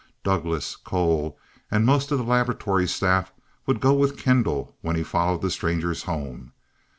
Douglass, Cole, and most of the laboratory staff would go with Kendall when he followed the Strangers home.